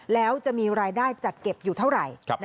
แล้วจะมีรายได้จัดเก็บอยู่เท่าไหร่